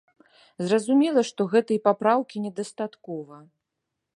Зразумела, што гэтай папраўкі недастаткова.